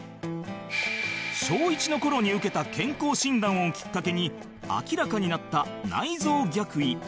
小１の頃に受けた健康診断をきっかけに明らかになった内臓逆位